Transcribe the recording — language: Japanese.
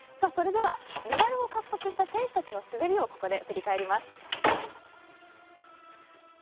それではメダルを獲得した選手たちの滑りをここで振り返ります。